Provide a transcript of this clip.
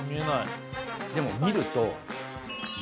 でも見ると。